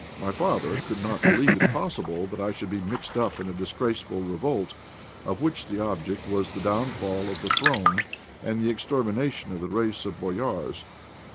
My father could not believe it possible that I should be mixed up in a disgraceful revolt, of which the object was the downfall of the throne and the extermination of the race of "boyárs."